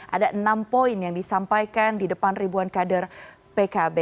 ada enam poin yang disampaikan di depan ribuan kader pkb